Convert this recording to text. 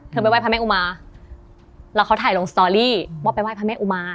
ไปไห้พระแม่อุมาแล้วเขาถ่ายลงสตอรี่ว่าไปไห้พระแม่อุมา